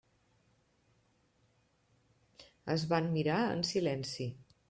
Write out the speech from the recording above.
Es van mirar en silenci.